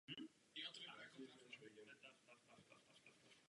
Větve vyrůstají střídavě z kmenu a tvoří jednotlivá patra.